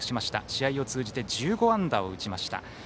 試合を通じて１５安打を打ちました。